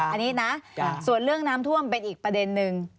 อันนี้นะส่วนเรื่องน้ำท่วมเป็นอีกประเด็นนึง